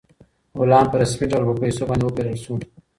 غلام په رسمي ډول په پیسو باندې وپېرل شو.